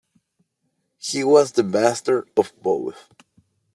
He was the master of both.